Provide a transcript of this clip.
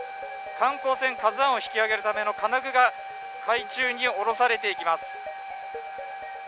観光船「ＫＡＺＵ１」を引き揚げるための金具が海中に降ろされていきます。